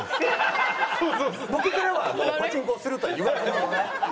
僕からはパチンコするとは言わずに。